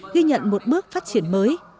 ghi nhận một bước phát triển mới